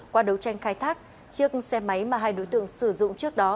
qua đấu tranh khai thác chiếc xe máy mà hai đối tượng sử dụng trước đó